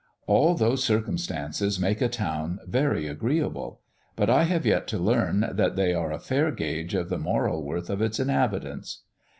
All those circumstances make a town very agreeable; but I have yet to learn that they are a fair gauge of the moral worth of its inhabitants."